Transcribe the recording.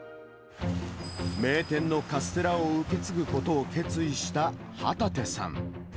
名店のカステラを受け継ぐことを決意した旗手さん。